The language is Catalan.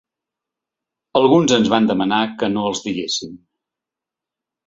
Alguns ens van demanar que no els diguéssim.